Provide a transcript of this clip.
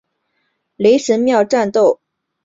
雷神庙战斗被视为胶东抗战的第一枪。